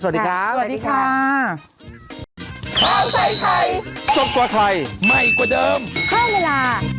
สวัสดีครับสวัสดีค่ะ